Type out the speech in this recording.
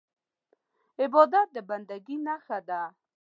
عبادت د بندګۍ نښه ده.